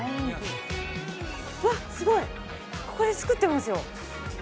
うわっすごいここで作ってますよ